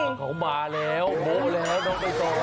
ของเขามาแล้วโบ๊ะแล้วน้องใบตอง